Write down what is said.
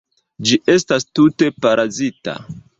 Ĝi estas tute parazita.